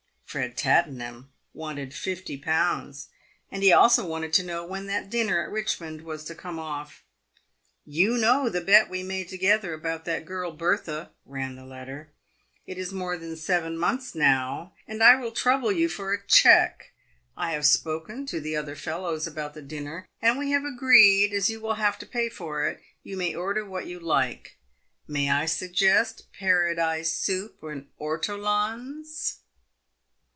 Ered Tattenham wanted fifty pounds, and he also wanted to know when that dinner at Bichmond was to come off. " You know the bet we made together about that girl Bertha," ran the letter. " It is more than seven months ago, now, and I will trouble you for a cheque. I have spoken to the other fellows about the dinner, and we have agreed, as you will have to pay for it, you may order what you like may I suggest Paradise soup and ortolans